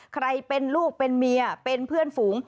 ใครเป็นลูกเป็นเมียเป็นเพื่อนฝูง